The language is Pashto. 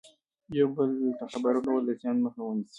یو بل ته خبر ورکول د زیان مخه نیسي.